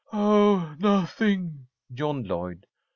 "Oh, nothing," yawned Lloyd.